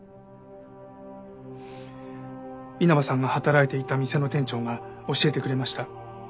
稲葉さんが働いていた店の店長が教えてくれました。